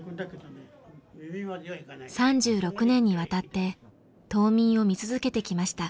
３６年にわたって島民を診続けてきました。